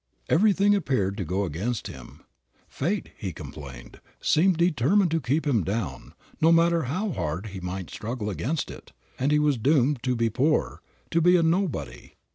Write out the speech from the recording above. Everything appeared to go against him. Fate, he complained, seemed determined to keep him down, no matter how hard he might struggle against it, and he was doomed to be poor, to be a nobody.